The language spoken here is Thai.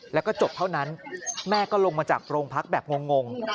แล้วก็จบเท่านั้นแม่ก็ลงมาจากโรงพักแบบงง